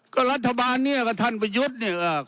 ก็รัฐบาลเนี่ยก็ท่านไปหยุดนี่อ่า